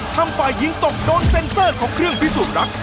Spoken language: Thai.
ฝ่ายหญิงตกโดนเซ็นเซอร์ของเครื่องพิสูจน์รัก